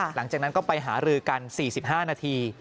หลังจากนั้นก็ไปหารือกัน๔๕นาที